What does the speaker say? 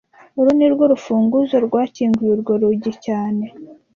Uru nirwo rufunguzo rwakinguye urwo rugi cyane